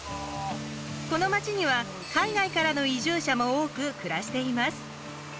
この町には海外からの移住者も多く暮らしています。